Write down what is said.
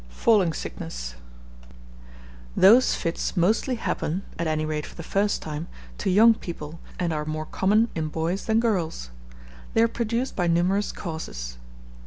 Falling Sickness. Those fits mostly happen, at any rate for the first time, to young people, and are more common in boys than girls. They are produced by numerous causes.